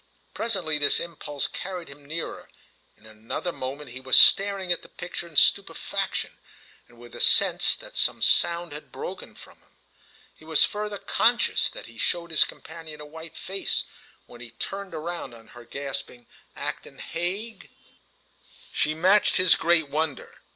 Presently this impulse carried him nearer, and in another moment he was staring at the picture in stupefaction and with the sense that some sound had broken from him. He was further conscious that he showed his companion a white face when he turned round on her gasping: "Acton Hague!" She matched his great wonder.